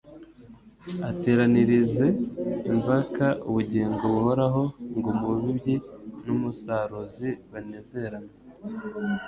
ateranirize imvaka ubugingo buhoraho ngo umubibyi n'umusaruzi banezeranwe